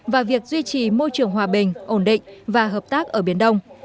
và việc duy trì môi trường hòa bình ổn định và hợp tác ở biển đông